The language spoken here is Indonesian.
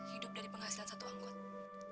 hidup dari penghasilan satu anggota